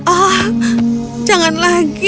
oh jangan lagi